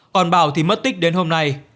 còn bảo thì mất tích đến hôm nay